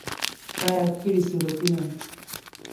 تا یاد کړي سورتونه